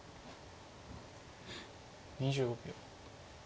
２５秒。